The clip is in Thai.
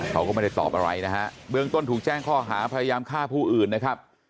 เขาก็ไม่ได้ตอบอะไรนะฮะเบื้องต้นถูกแจ้งข้อหาพยายามฆ่าผู้อื่นนะครับ